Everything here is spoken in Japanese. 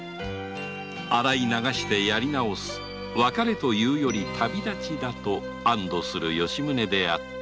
洗い流してやり直す別れというより旅立ちだと安堵する吉宗であった